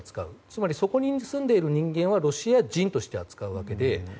つまり、そこに住んでいる人間はロシア人として扱うわけで。